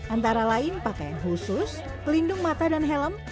antara lain pakaian khusus pelindung mata dan helm